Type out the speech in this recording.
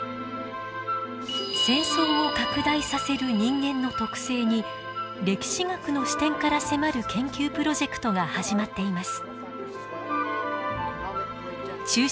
戦争を拡大させる人間の特性に歴史学の視点から迫る研究プロジェクトが始まっています。